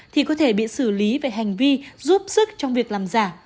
thì có thể bị xử lý về hành vi giúp sức trong việc làm giả